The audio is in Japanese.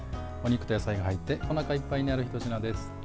お肉と野菜が入っておなかいっぱいになるひと品です。